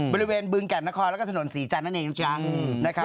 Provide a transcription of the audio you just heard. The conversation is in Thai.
บริเวณบึงแก่นนครแล้วก็ถนนศรีจันทร์นั่นเองนะครับ